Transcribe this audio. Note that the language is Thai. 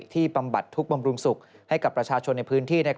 บำบัดทุกข์บำรุงสุขให้กับประชาชนในพื้นที่